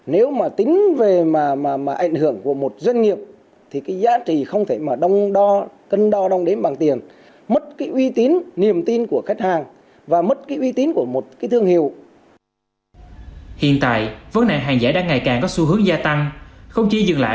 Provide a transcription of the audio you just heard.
hiện tại vấn nạn hàng giả đang ngày càng có xu hướng gia tăng không chỉ dừng lại